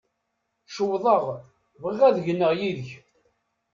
Cewḍeɣ, bɣiɣ ad gneɣ yid-k.